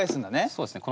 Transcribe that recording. そうですね